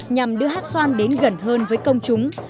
nhằm đưa hát xoan đến gần hơn với công chúng